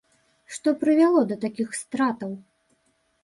Што прывяло да такіх стратаў?